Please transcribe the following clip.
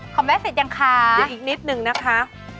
ของแม่เสร็จยังคะโดยอีกนิดนึงนะคะ